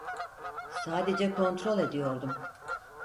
Sadece kontrol ediyordum.